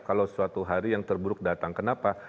kalau suatu hari yang terburuk datang kenapa